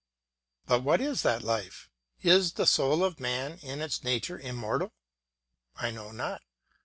But what is that life? Is the soul of man in its nature immortal? I know not.